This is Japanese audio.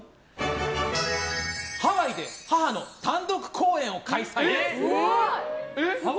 ハワイで母の単独公演を開催。